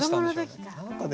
何かね